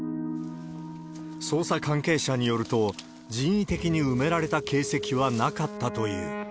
捜査関係者によると、人為的に埋められた形跡はなかったという。